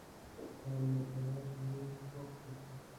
د الله تعالی په ویش خوښ اوسه.